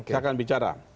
saya akan bicara